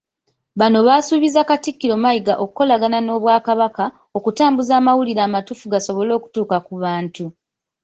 Bano basuubizza Katikkiro Mayiga okukolagana n'Obwakabaka, okutambuza amawulire amatuufu gasobole okutuuka ku bantu.